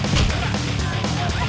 bang harus kuat bang